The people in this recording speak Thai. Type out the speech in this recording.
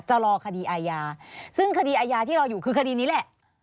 รอคดีอาญาซึ่งคดีอาญาที่รออยู่คือคดีนี้แหละ